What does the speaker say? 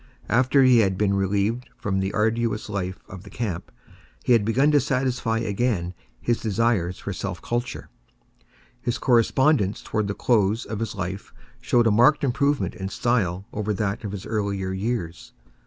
After he had been relieved from the arduous life of the camp, he began to satisfy again his desires for self culture. His correspondence towards the close of his life shows a marked improvement in style over that of his earlier years.